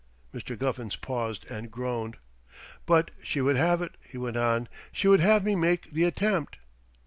'" Mr. Guffins paused and groaned. "But she would have it," he went on. "She would have me make the attempt.